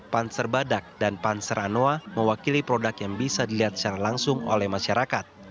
panser badak dan panser anoa mewakili produk yang bisa dilihat secara langsung oleh masyarakat